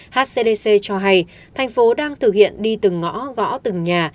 hcdc cho hay thành phố đang thực hiện đi từng ngõ gõ từng nhà